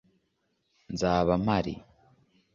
nzaba mpari.